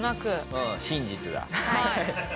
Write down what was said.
うん真実だ。